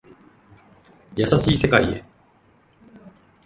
優しい世界へ